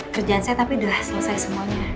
kerjaan saya tapi udah selesai semuanya